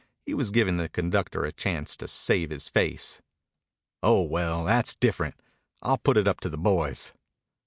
He was giving the conductor a chance to save his face. "Oh, well, that's different. I'll put it up to the boys."